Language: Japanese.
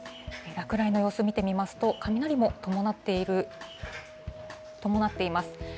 落雷の様子、見てみますと、雷も伴っています。